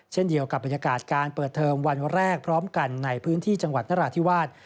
เช่นเดียวกับบรรยากาศการเปิดเทอมวันแรกพร้อมกันในพื้นที่จังหวัดนราธิวาส